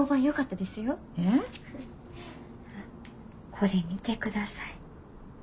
これ見てください。